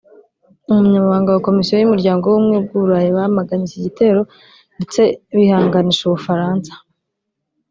Umunyamabanga wa komisiyo y’Umuryango w’ubumwe bw’u Burayi bamaganye iki gitero ndetse bihanganisha u Bufaransa